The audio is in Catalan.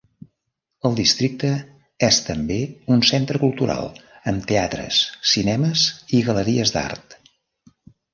El districte és també un centre cultural, amb teatres, cinemes i galeries d'art.